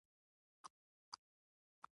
پیاله د روح تسل ده.